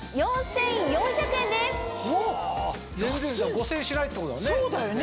５０００円しないってことだもんね。